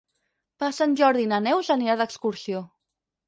Per Sant Jordi na Neus anirà d'excursió.